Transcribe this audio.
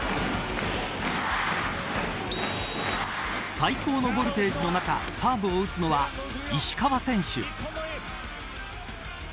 最高のボルテージの中サーブを打つのは石川選手。